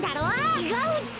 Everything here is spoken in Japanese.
ちがうって！